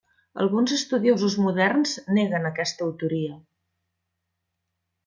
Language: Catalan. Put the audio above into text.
Alguns estudiosos moderns neguen aquesta autoria.